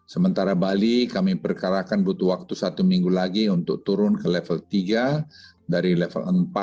sementara bali kami perkarakan butuh waktu satu minggu lagi untuk turun ke level tiga dari level empat